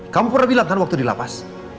kamu pernah bilang kan waktu di lapas